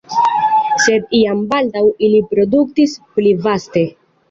Sed jam baldaŭ ili produktis pli vaste.